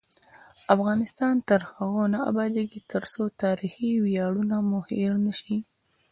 افغانستان تر هغو نه ابادیږي، ترڅو تاریخي ویاړونه مو هیر نشي.